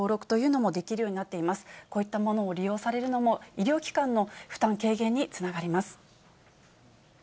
こういったものを利用されるのも、医療機関の負担軽減につながります。